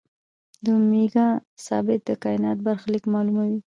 د اومېګا ثابت د کائنات برخلیک معلوموي.